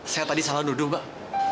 saya tadi salah nuduh mbak